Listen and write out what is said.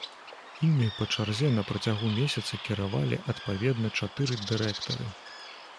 Імі па чарзе на працягу месяца кіравалі адпаведна чатыры дырэктары.